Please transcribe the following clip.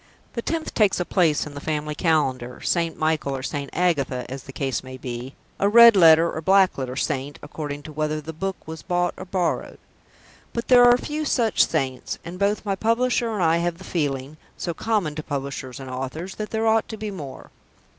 The tenth takes a place in the family calendar; St. Michael or St. Agatha, as the case may be, a red letter or black letter saint, according to whether the book was bought or borrowed. But there are few such saints, and both my publisher and I have the feeling (so common to publishers and authors) that there ought to be more.